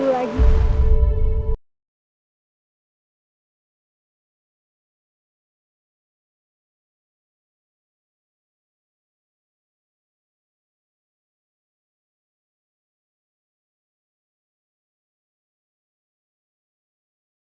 gue janji bakalan perbaikin semuanya